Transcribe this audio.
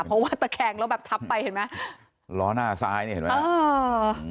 เพราะว่าตะแคงแล้วแบบทับไปเห็นไหมล้อหน้าซ้ายนี่เห็นไหมเออ